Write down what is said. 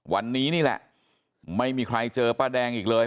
วันนี้นี่แหละไม่มีใครเจอป้าแดงอีกเลย